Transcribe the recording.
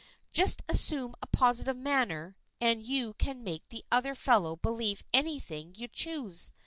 Just assume a positive manner and you can make the other fellow believe anything you choose.